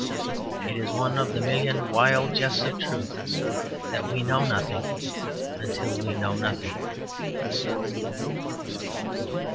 It is one of the million wild jests of truth that we know nothing until we know nothing.